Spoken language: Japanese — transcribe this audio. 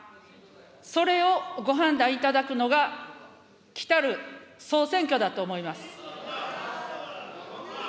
それをご判断いただくのが、来たる総選挙だと思います。